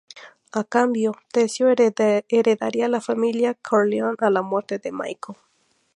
A cambio, Tessio heredaría la familia Corleone a la muerte de Michael.